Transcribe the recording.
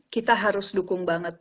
kita harus dukung banget